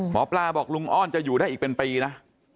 หมอปลาบอกลุงอ้อนจะอยู่ได้อีกเป็นปีนะ